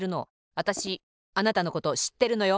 わたしあなたのことしってるのよ。